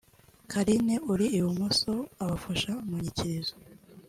Carine( uri i bumoso)abafasha mu nyikirizo